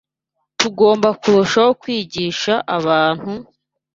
Tugomba kurushaho kwigisha abantu,